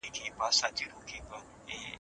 يا داسي ضرر، چي د دوی تر منځ ګډ ژوند ممکن نه وي.